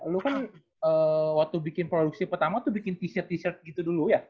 lu kan waktu bikin produksi pertama tuh bikin t shirt t shirt gitu dulu ya